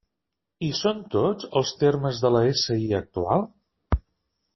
Hi són tots, els termes de la SI actual?